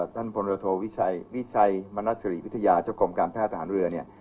ท่านพลโรโธวิชัยมณศรีวิทยาเจ้ากรมการแพทย์ทหารเรือ